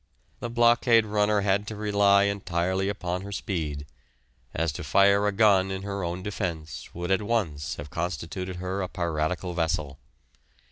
The blockade runner had to rely entirely upon her speed, as to fire a gun in her own defence would at once have constituted her a piratical vessel.